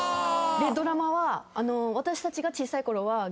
ドラマは私たちが小さいころは。